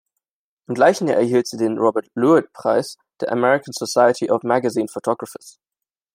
Im gleichen Jahr erhielt sie den Robert Lewitt-Preis der American Society of Magazine Photographers.